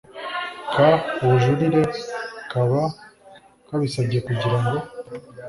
k Ubujurire kaba kabisabye kugira ngo